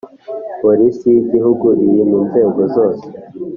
Polisi y Igihugu iri mu nzego zose